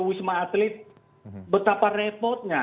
wisma atlet betapa repotnya